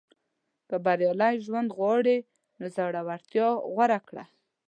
• که بریالی ژوند غواړې، نو زړورتیا غوره کړه.